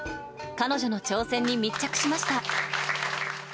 彼女の挑戦に密着しました。